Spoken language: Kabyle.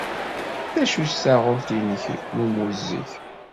D acu-tt taɣult-nnek n ummuzzeg?